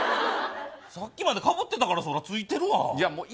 さっきからかぶってたからそりゃついてるよ。